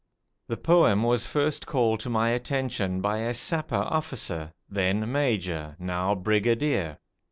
The poem was first called to my attention by a Sapper officer, then Major, now Brigadier.